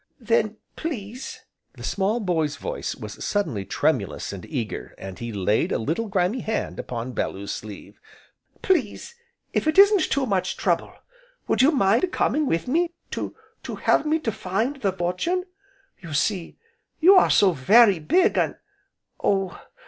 "Then please " the small boy's voice was suddenly tremulous and eager, and he laid a little, grimy hand upon Bellew's sleeve, "please if it isn't too much trouble would you mind coming with me to to help me to find the fortune? you see, you are so very big, an' Oh!